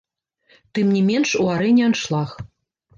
Тым не менш, у арэне аншлаг.